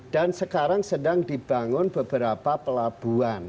dan sekarang sedang dibangun beberapa pelabuhan